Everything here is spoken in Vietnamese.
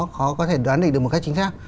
khó có thể đoán định được một cách chính xác